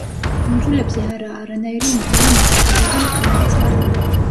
კუნძულებზე არაა არანაირი მუდმივი ნაკადული და მტკნარი წყალი.